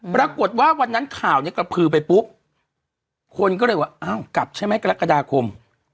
ปรากฏว่าวันนั้นข่าวเนี่ยกระพือไปปุ๊บคนก็เลยว่าอ้าวกลับใช่ไหมกรกฎาคม